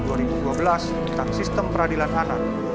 tentang sistem peradilan anak